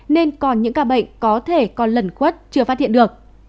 nên còn những ca bệnh có thể còn lẩn khuất chưa phát hiện được